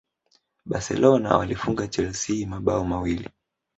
barcelona walifunga chelsea mabao mawili